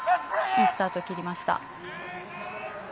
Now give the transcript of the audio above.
いいスタートを切りました。